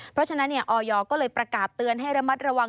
เพราะฉะนั้นออยก็เลยประกาศเตือนให้ระมัดระวัง